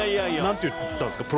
なんて言ったんですか？